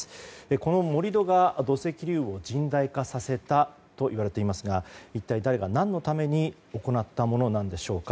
この盛り土が土石流を甚大化させたと言われていますが一体、誰が何のために行ったものなんでしょうか。